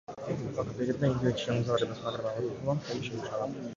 აპირებდა ინდოეთში გამგზავრებას, მაგრამ ავადმყოფობამ ხელი შეუშალა.